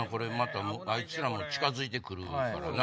あいつらも近づいてくるからな。